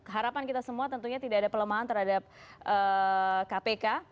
harapan kita semua tentunya tidak ada pelemahan terhadap kpk